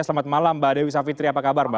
selamat malam mbak dewi savitri apa kabar mbak